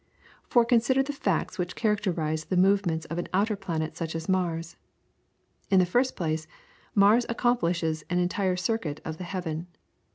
For consider the facts which characterise the movements of an outer planet such as Mars. In the first place, Mars accomplishes an entire circuit of the heaven.